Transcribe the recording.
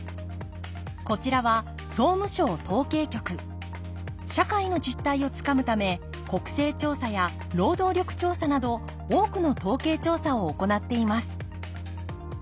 こちらは社会の実態をつかむため国勢調査や労働力調査など多くの統計調査を行っています